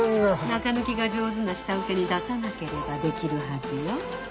中抜きが上手な下請けに出さなければできるはずよ。